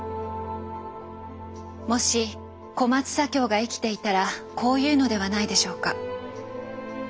もし小松左京が生きていたらこう言うのではないでしょうか。